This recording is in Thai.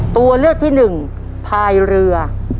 ตัวเลือกที่หนึ่งพายเรือ